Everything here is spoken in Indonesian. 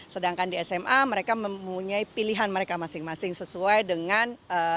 sedangkan di sma mereka mempunyai pilihan mereka masing masing sesuai dengan